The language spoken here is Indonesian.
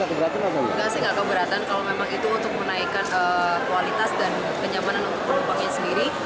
enggak sih nggak keberatan kalau memang itu untuk menaikkan kualitas dan kenyamanan untuk penumpangnya sendiri